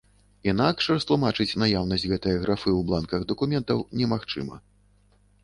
Інакш растлумачыць наяўнасць гэтае графы ў бланках дакументаў немагчыма.